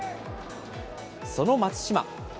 その松島。